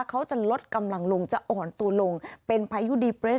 เขาจะลดกำลังลงจะอ่อนตัวลงเป็นพายุดีเปรส